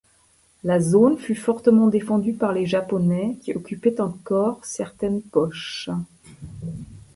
La zone fut fortement défendue par les Japonais, qui occupaient encore certaines poches.